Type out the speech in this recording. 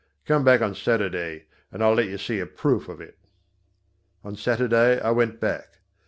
Come back on Saturday and I'll let you see a proof of it." On Saturday I went back.